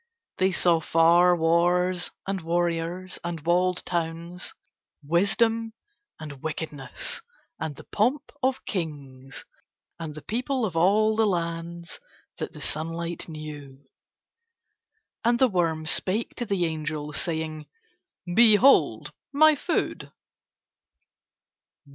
They saw far wars and warriors and walled towns, wisdom and wickedness, and the pomp of kings, and the people of all the lands that the sunlight knew. And the worm spake to the angel saying: "Behold my food."